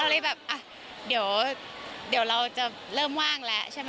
เลยแบบอ่ะเดี๋ยวเราจะเริ่มว่างแล้วใช่ไหม